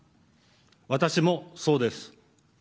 私もそうです。